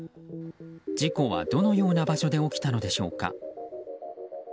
事故は、どのような場所で起きたのでしょうか。